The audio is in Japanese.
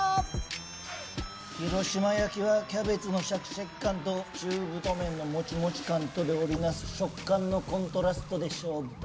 広島焼きはキャベツのシャキシャキ感と中太麺のモチモチ感とで織り成す食感のコントラストで勝負と。